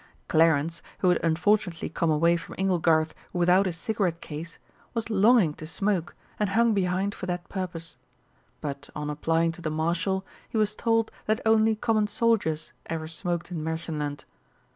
Clarence, who had unfortunately come away from "Inglegarth" without his cigarette case, was longing to smoke, and hung behind for that purpose. But on applying to the Marshal, he was told that only common soldiers ever smoked in Märchenland.